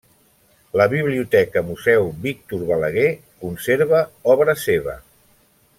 La Biblioteca Museu Víctor Balaguer conserva obra seva.